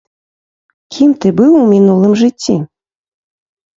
Кім ты быў у мінулым жыцці?